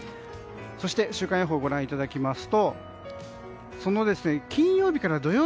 そして週間予報をご覧いただきます。